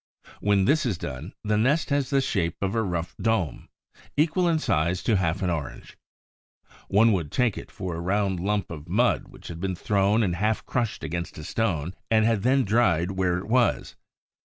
When this is done, the nest has the shape of a rough dome, equal in size to half an orange. One would take it for a round lump of mud which had been thrown and half crushed against a stone and had then dried where it was.